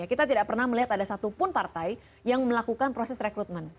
kita tidak pernah melihat ada satupun partai yang melakukan proses rekrutmen